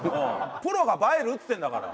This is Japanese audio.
プロが映えるっつってんだから。